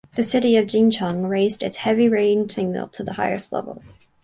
The city of Jincheng raised its heavy rain signal to the highest level.